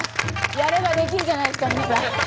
やればできるじゃないですか皆さん。